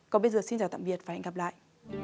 còn bây giờ xin chào tạm biệt và hẹn gặp lại